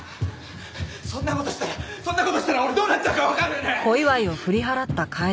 そんな事したらそんな事したら俺どうなっちゃうかわかる！？